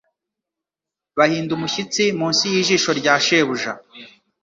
Bahinda umushyitsi munsi y'ijisho rya shebuja